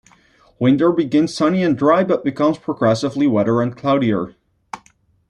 Winter begins sunny and dry but becomes progressively wetter and cloudier.